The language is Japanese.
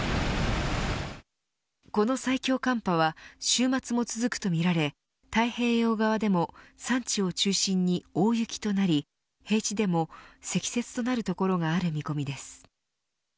この最強寒波は週末も続くとみられ太平洋側でも山地を中心に大雪となり、平地でも積雪となる所がある見込みです。